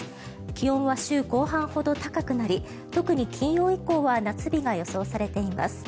気温は週後半ほど高くなり特に金曜以降は夏日が予想されています。